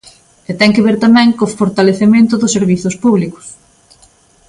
E ten que ver tamén co fortalecemento dos servizos públicos.